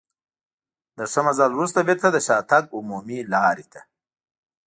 له ښه مزل وروسته بېرته د شاتګ عمومي لارې ته.